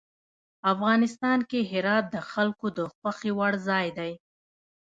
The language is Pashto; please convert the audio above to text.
افغانستان کې هرات د خلکو د خوښې وړ ځای دی.